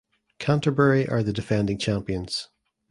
Canterbury are the defending champions.